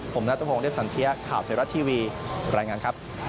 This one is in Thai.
ผมนัทพงศ์เรียบสันเทียข่าวไทยรัฐทีวีรายงานครับ